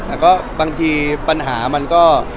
แต่ก็บางทีปัญหามันก็